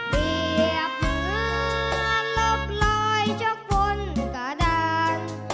เรียบเหมือนลบลอยชกพ้นกระดาน